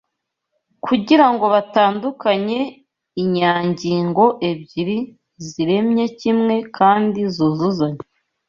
kugira ngo batandukanye inyangingo ebyiri ziremye kimwe kandi zuzuzanya